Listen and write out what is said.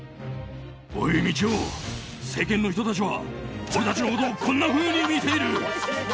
おい、みちお世間の人たちは俺たちのことをこんなふうに見ている！